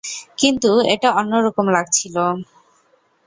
কিন্তু, এটা অন্যরকম লাগছিল।